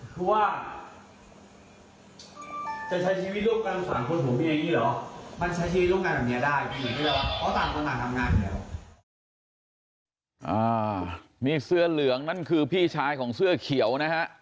นี่เสื้อเหลืองนั่นคือพี่ชายของเสื้อเขียวนะฮะ